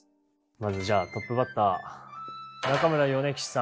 まずじゃあトップバッター中村米吉さん。